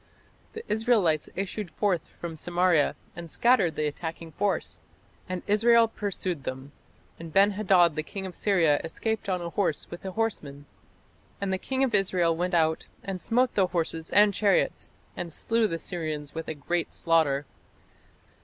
The Israelites issued forth from Samaria and scattered the attacking force. "And Israel pursued them: and Ben hadad the king of Syria escaped on a horse with the horseman. And the king of Israel went out, and smote the horses and chariots, and slew the Syrians with a great slaughter."